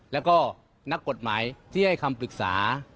แล้วก็นักกฎหมายที่ให้คำปรึกษา